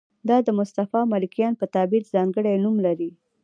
دا د مصطفی ملکیان په تعبیر ځانګړی نوم لري.